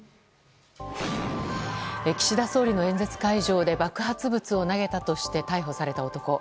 岸田総理の演説会場で爆発物を投げたとして逮捕された男。